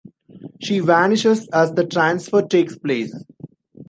She vanishes as the transfer takes place.